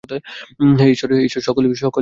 হে ঈশ্বর, সকলই তোমার ইচ্ছা।